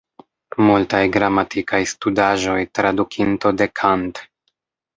Multaj gramatikaj studaĵoj, tradukinto de Kant.